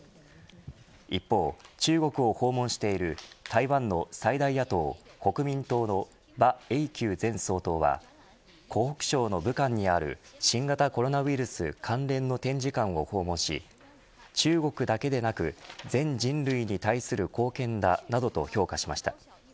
一方、中国を訪問している台湾の最大野党、国民党の馬英九前総統は湖北省の武漢にある新型コロナウイルス関連の展示館を訪問し、中国だけでなく全人類に対する貢献だなどと評価しました。